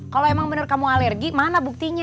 kalau emang bener kamu alergi mana buktinya